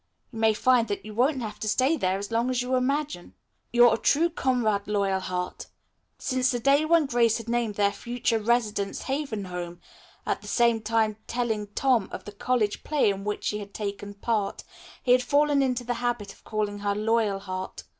You may find that you won't have to stay there as long as you imagine." "You're a true comrade, Loyalheart." Since the day when Grace had named their future residence Haven Home, at the same time telling Tom of the college play in which she had taken part, he had fallen into the habit of calling her Loyalheart.